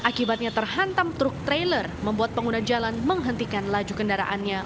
akibatnya terhantam truk trailer membuat pengguna jalan menghentikan laju kendaraannya